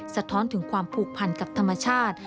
สะท้อนถึงความผูกพันกับธรรมชาติ